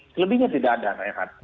selebihnya tidak ada